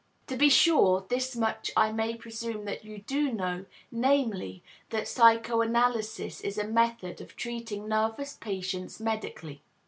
To be sure, this much I may presume that you do know, namely, that psychoanalysis is a method of treating nervous patients medically.